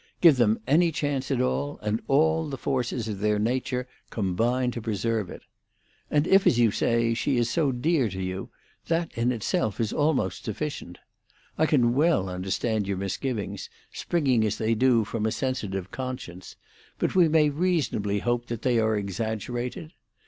Give them any chance at all, and all the forces of their nature combine to preserve it. And if, as you say, she is so dear to you, that in itself is almost sufficient. I can well understand your misgivings, springing as they do from a sensitive conscience; but we may reasonably hope that they are exaggerated.